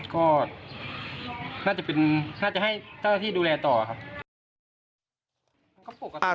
ก็น่าจะให้เจ้าหน้าที่ดูแลต่อครับ